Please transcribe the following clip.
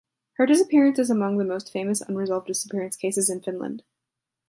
Her disappearance is among the most famous unresolved disappearance cases in Finland.